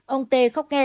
ông t khóc nghẹn